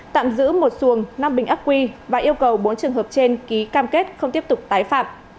tạm giữ một xuồng năm bình ác quy và yêu cầu bốn trường hợp trên ký cam kết không tiếp tục tái phạm